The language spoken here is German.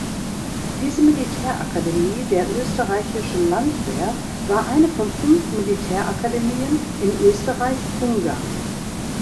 Diese Militärakademie der österreichischen Landwehr war eine von fünf Militärakademien in Österreich-Ungarn.